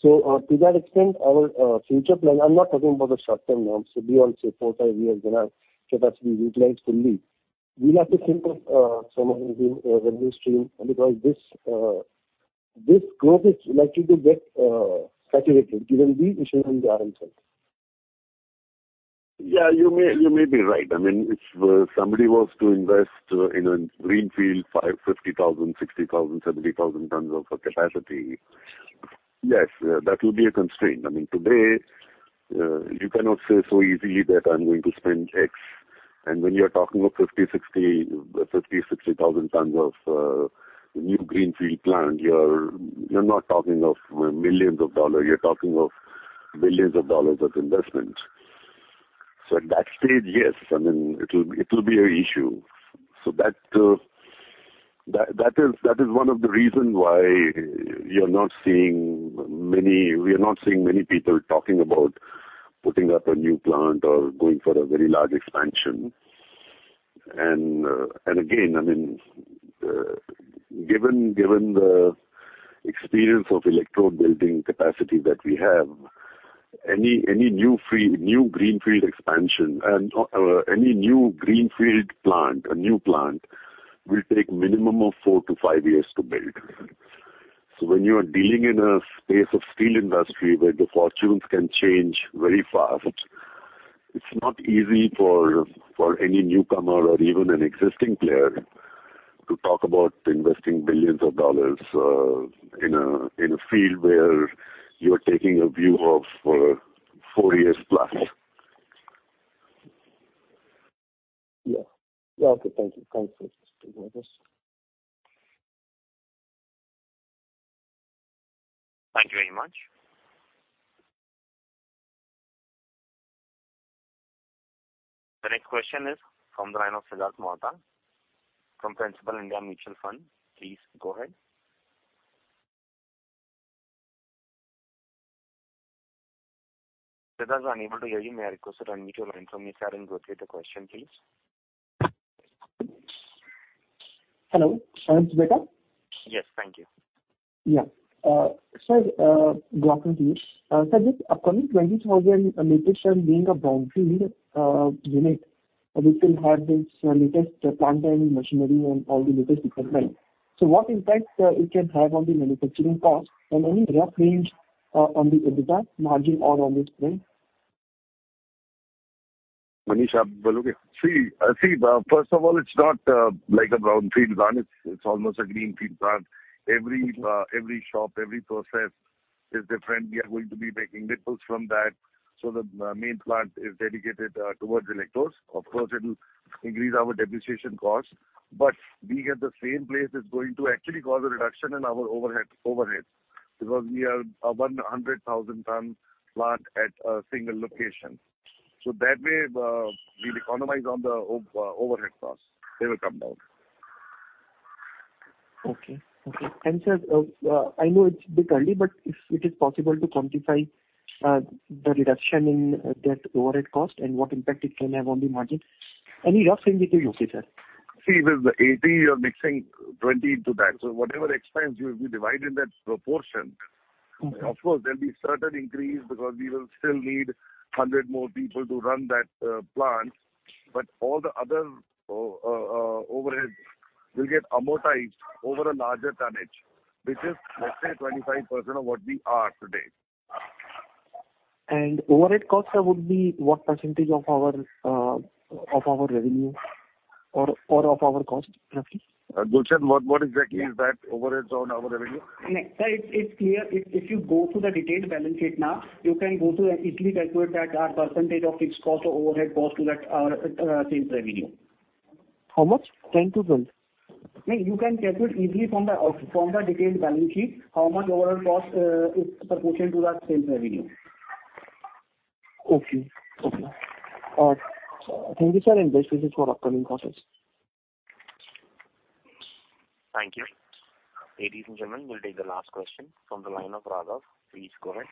RM? To that extent, our future plan. I'm not talking about the short term now. Beyond, say, four, five years when our capacity is utilized fully, we'll have to think of some other revenue stream because this growth is likely to get saturated given the issue on the RM front. Yeah, you may be right. I mean, if somebody was to invest in a greenfield 50,000, 60,000, 70,000 tonnes of capacity, yes, that will be a constraint. I mean, today, you cannot say so easily that I'm going to spend X. When you're talking of 50,000 tonnes-60,000 tonnes of new greenfield plant, you're not talking of millions of dollars, you're talking of billions of dollars of investment. At that stage, yes, I mean, it'll be an issue. That is one of the reasons why we are not seeing many people talking about putting up a new plant or going for a very large expansion. Again, I mean, given the experience of electrode building capacity that we have, any new greenfield expansion or any new greenfield plant, a new plant will take minimum of four to five years to build. When you are dealing in a space of steel industry where the fortunes can change very fast, it's not easy for any newcomer or even an existing player to talk about investing billions of dollars in a field where you are taking a view of four years plus. Yeah. Yeah. Okay. Thank you. Thanks for explaining this. Thank you very much. The next question is from the line of Siddarth Mohta from Principal India Mutual Fund. Please go ahead. Siddarth, we're unable to hear you. May I request you to unmute your line from your side and go ahead with the question, please. Hello, now its better? Yes. Thank you. Yeah. Sir, good afternoon to you. Sir, this upcoming 20,000 metric tonnes being a brownfield unit, which will have this latest plant and machinery and all the latest equipment. What impact it can have on the manufacturing cost and any rough range on the EBITDA margin or on the spend? Manish will you answer? See, first of all, it's not like a brownfield plant. It's almost a greenfield plant. Every shop, every process is different. We are going to be making nipples from that. So the main plant is dedicated towards electrodes. Of course, it'll increase our depreciation costs, but being at the same place is going to actually cause a reduction in our overhead because we are a 100,000-tonne plant at a single location. So that way, we'll economize on the overhead costs. They will come down. Okay. Sir, I know it's a bit early, but if it is possible to quantify the reduction in that overhead cost and what impact it can have on the margin. Any rough range will be okay, sir. See, with 80 you're mixing 20 into that. Whatever expense you will be divided in that proportion. Okay. Of course, there'll be certain increase because we will still need 100 more people to run that plant. All the other overhead will get amortized over a larger tonnage, which is let's say 25% of what we are today. Overhead cost, sir, would be what % of our revenue or of our cost roughly? Gulshan, what exactly is that overheads on our revenue? No. Sir, it's clear. If you go through the detailed balance sheet now, you can go to and easily calculate that our percentage of fixed cost or overhead cost to that sales revenue. How much? 10%-12%. No, you can calculate easily from the detailed balance sheet how much overall cost is proportional to that sales revenue. Okay. Thank you, sir, and best wishes for upcoming quarters. Thank you. Ladies and gentlemen, we'll take the last question from the line of Raghav. Please go ahead.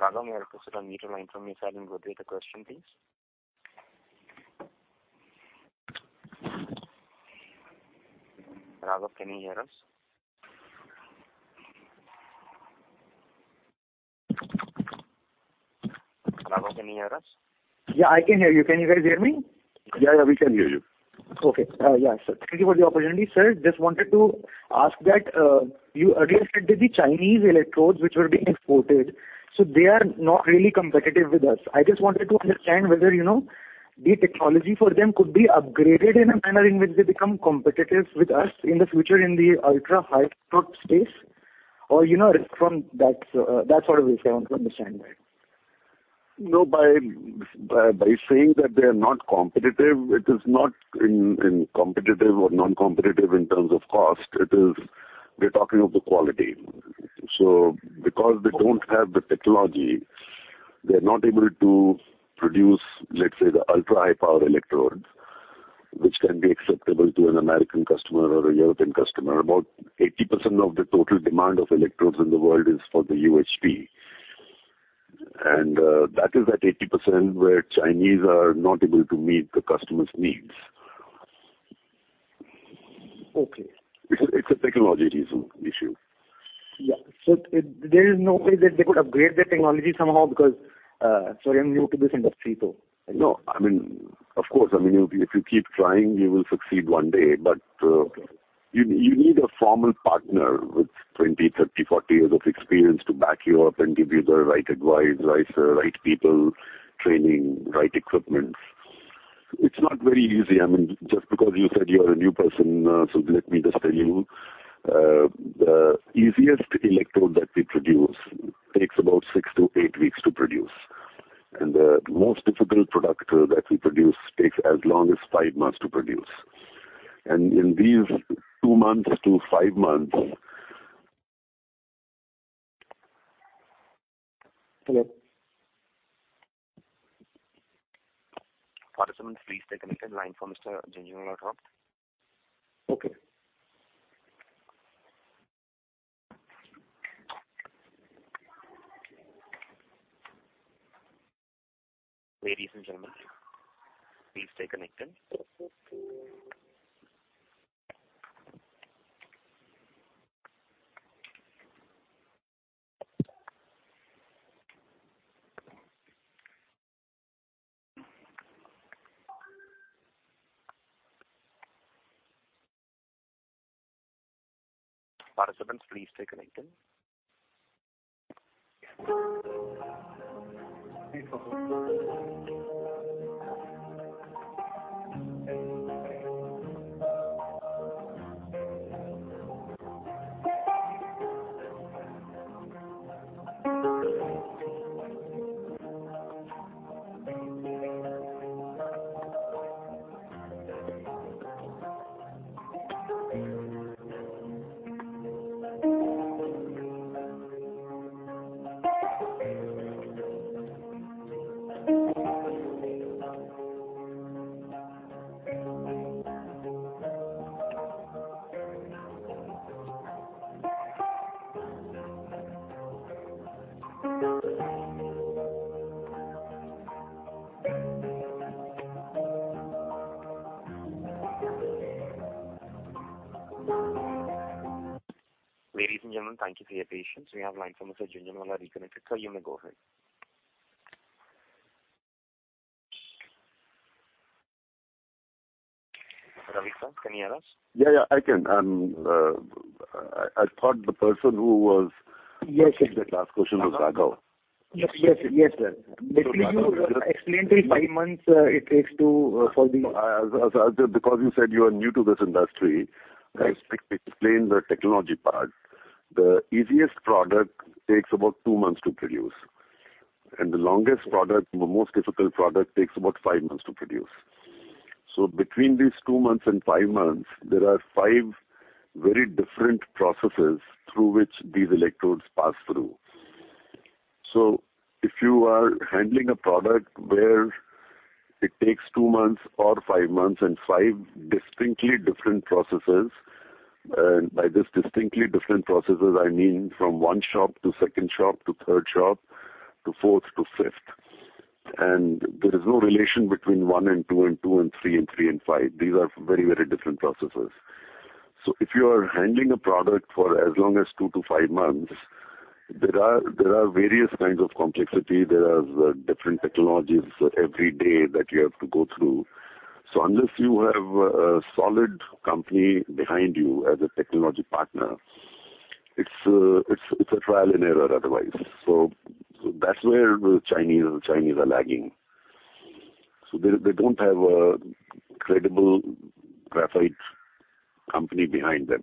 Raghav, may I request you to unmute your line from your side and go ahead with the question, please. Raghav, can you hear us? Raghav, can you hear us? Yeah, I can hear you. Can you guys hear me? Yeah, yeah, we can hear you. Okay. Yeah. Thank you for the opportunity, sir. Just wanted to ask that, you earlier said that the Chinese electrodes which were being exported, they are not really competitive with us. I just wanted to understand whether, you know, the technology for them could be upgraded in a manner in which they become competitive with us in the future in the ultra-high power space. You know it from that sort of way, sir, from the standpoint. No, by saying that they are not competitive, it is not in competitive or non-competitive in terms of cost. It is. We are talking of the quality. Because they don't have the technology, they're not able to produce, let's say, the ultra-high power electrodes, which can be acceptable to an American customer or a European customer. About 80% of the total demand of electrodes in the world is for the UHP. That is at 80% where Chinese are not able to meet the customer's needs. Okay. It's a technology issue. Yeah. There is no way that they could upgrade their technology somehow because, sorry, I'm new to this industry though. No, I mean, of course. I mean, if you keep trying, you will succeed one day. You need a formal partner with 20, 30, 40 years of experience to back you up and give you the right advice, right people, training, right equipment. It's not very easy. I mean, just because you said you are a new person, let me just tell you. The easiest electrode that we produce takes about six to eight weeks to produce, and the most difficult product that we produce takes as long as five months to produce. In these two to five months. Hello? Participants, please stay connected. Line for Mr. Jhunjhunwala dropped. Okay. Ladies and gentlemen, please stay connected. Participants, please stay connected. Please hold. Ladies and gentlemen, thank you for your patience. We have the line for Mr. Jhunjhunwala reconnected. Sir, you may go ahead. Mr. Ravi, Sir, can you hear us? Yeah, I can. I thought the person who was. Yes, yes. The last question was asked by Raghav. Yes, sir. Basically, you explained the five months it takes to for the Because you said you are new to this industry. Right. I explained the technology part. The easiest product takes about two months to produce, and the longest product, the most difficult product takes about five months to produce. Between these two months and five months, there are five very different processes through which these electrodes pass through. If you are handling a product where it takes two months or five months and five distinctly different processes, and by this distinctly different processes, I mean from one shop to second shop to third shop to fourth to fifth. There is no relation between one and two and two and three and three and five. These are very, very different processes. If you are handling a product for as long as two to five months, there are various kinds of complexity. There are different technologies every day that you have to go through. Unless you have a solid company behind you as a technology partner, it's a trial and error otherwise. That's where the Chinese are lagging. They don't have a credible graphite company behind them.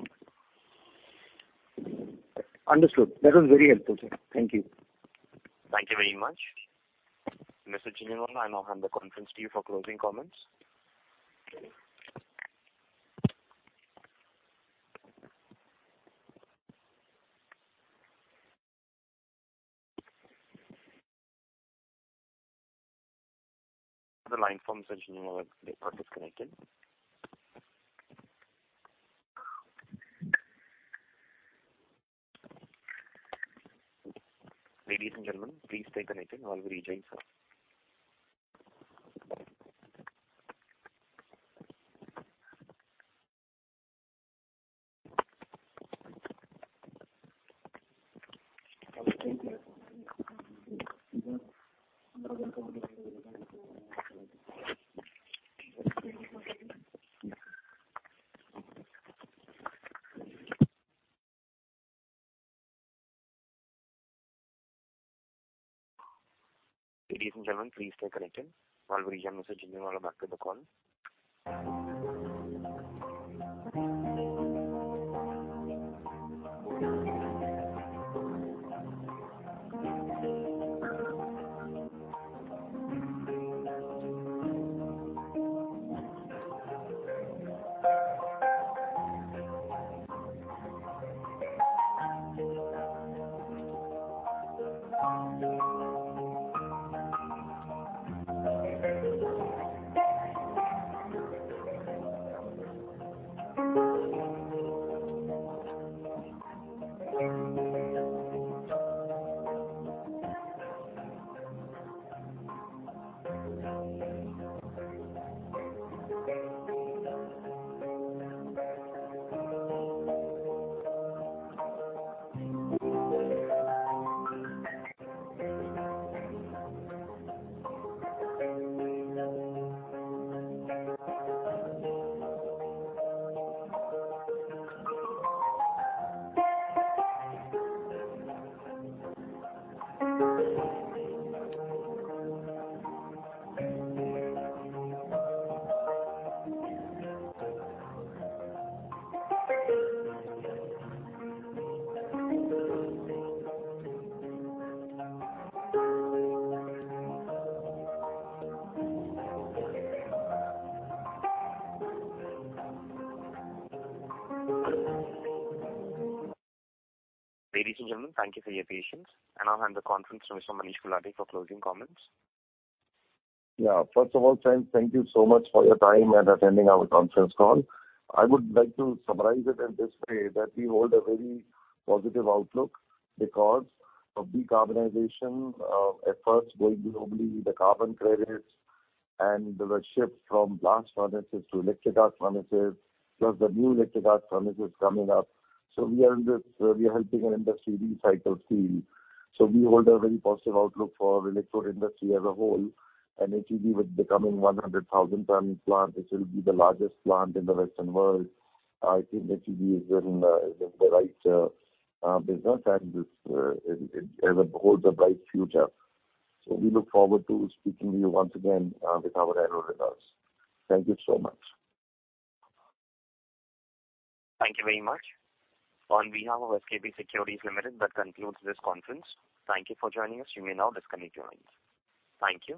Understood. That was very helpful, sir. Thank you. Thank you very much. Mr. Ravi Jhunjhunwala, I now hand the conference to you for closing comments. The line for Mr. Ravi Jhunjhunwala has been disconnected. Ladies and gentlemen, please stay connected. I'll rejoin sir. Ladies and gentlemen, please stay connected while we join Mr. Ravi Jhunjhunwala back to the call. Ladies and gentlemen, thank you for your patience. I'll hand the conference to Mr. Manish Gulati for closing comments. Yeah. First of all, friends, thank you so much for your time and attending our conference call. I would like to summarize it in this way, that we hold a very positive outlook because of decarbonization efforts going globally, the carbon credits and the shift from blast furnaces to electric arc furnaces. The new electric arc furnaces coming up. We are helping an industry recycle steel. We hold a very positive outlook for electric industry as a whole, and HEG with becoming 100,000-tonne plant, which will be the largest plant in the western world. I think HEG is in the right business and it holds a bright future. We look forward to speaking to you once again with our annual results. Thank you so much. Thank you very much. On behalf of SKP Securities Limited, that concludes this conference. Thank you for joining us. You may now disconnect your lines. Thank you.